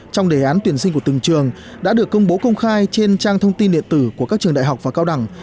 trong đề án tuyển sinh của từng trường đã được công bố công khai trên trang thông tin điện tử của các trường đại học và cao đẳng